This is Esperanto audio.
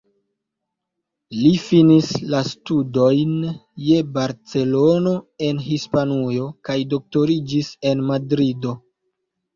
Li finis la studon je Barcelono en Hispanujo kaj doktoriĝis en Madrido.